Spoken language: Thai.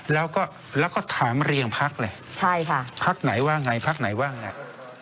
แล้วก็แล้วก็ถามเรียงพักเลยใช่ค่ะพักไหนว่าไงพักไหนว่าไง